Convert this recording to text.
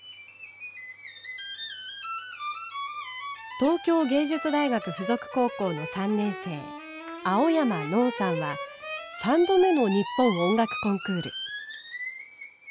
東京藝術大学附属高校の３年生青山暖さんは３度目の日本音楽コンクール。